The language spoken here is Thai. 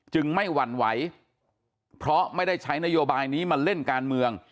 ไม่หวั่นไหวเพราะไม่ได้ใช้นโยบายนี้มาเล่นการเมือง